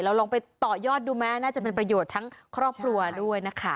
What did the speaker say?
ลองไปต่อยอดดูไหมน่าจะเป็นประโยชน์ทั้งครอบครัวด้วยนะคะ